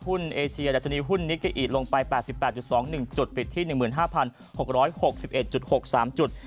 หุ้นเอเชียและจะดีหุ้นนิกะอีดลงไป๘๘๒๑จุดปิดที่๑๕๖๖๑๖๓จุด